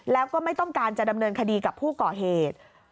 แล้วก็ไม่ต้องการจะดำเนินคดีกับผู้ก่อเหตุ